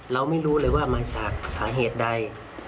เราไม่รู้เลยว่ามาจากสาเหตุใด